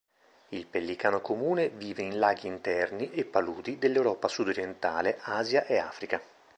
Il pellicano comune vive in laghi interni e paludi dell'Europa sudorientale, Asia e Africa.